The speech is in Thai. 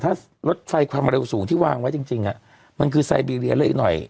ถ้ารถไฟความเร็วสูงที่วางไว้จริงมันคือไซบีเรียนอีกหน่อย